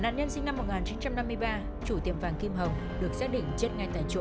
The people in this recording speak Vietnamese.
nạn nhân sinh năm một nghìn chín trăm năm mươi ba chủ tiệm vàng kim hồng được xác định chết ngay tại chỗ